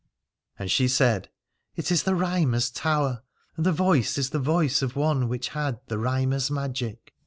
And she said: It is the Rhymer's Tower, and the voice is the voice of one which had the Rhymer's magic.